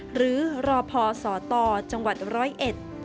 หรือรอพอสตจังหวัดร้อยเอ็ด